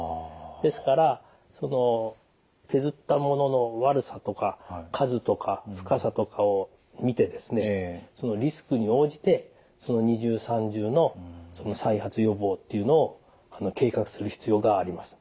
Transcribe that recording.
ですから削ったものの悪さとか数とか深さとかを診てですねそのリスクに応じて二重三重の再発予防っていうのを計画する必要があります。